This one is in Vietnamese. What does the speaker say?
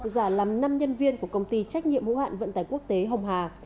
giả làm năm nhân viên của công ty trách nhiệm hữu hạn vận tải quốc tế hồng hà